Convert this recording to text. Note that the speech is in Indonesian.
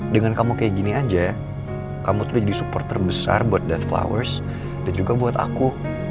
dengan kamu kayak gini aja kamu tuh jadi support terbesar buat that fours dan juga buat aku